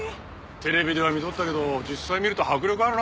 テレビでは見とったけど実際見ると迫力あるな。